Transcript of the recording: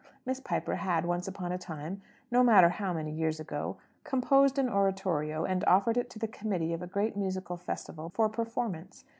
Miss Piper had once upon a time, no matter how many years ago, composed an oratorio, and offered it to the Committee of a great Musical Festival, for performance.